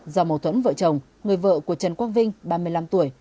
do mâu thuẫn vợ chồng người vợ của trần quang vinh ba mươi năm tuổi